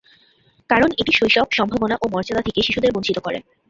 কারণ এটি শৈশব, সম্ভাবনা ও মর্যাদা থেকে শিশুদের বঞ্চিত করে।